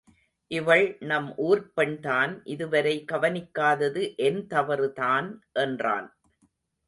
இவள் நம் ஊர்ப் பெண்தான் இதுவரை கவனிக்காதது என் தவறு தான் என்றான்.